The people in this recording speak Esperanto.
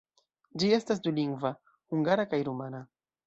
Ĝi estas dulingva: hungara kaj rumana.